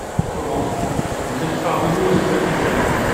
Comment ! vous êtes parvenue à les apaiser ?